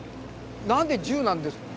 何で十なんですか？